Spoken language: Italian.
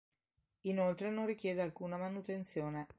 Inoltre non richiede alcuna manutenzione.